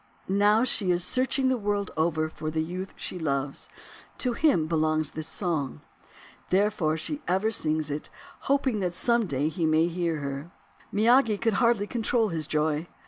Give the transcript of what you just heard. Now she is searching the world over for the youth she loves. To him belongs this song. Therefore she ever sings it, hoping that some day he may hear her." Miyagi could hardly control his joy.